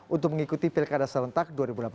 untuk mengikuti pilkada serentak dua ribu delapan belas